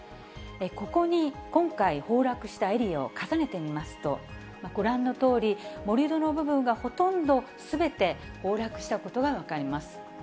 ここに今回、崩落したエリアを重ねてみますと、ご覧のとおり、盛り土の部分がほとんどすべて、崩落したことが分かります。